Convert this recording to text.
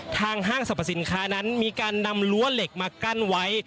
ห้างสรรพสินค้านั้นมีการนำรั้วเหล็กมากั้นไว้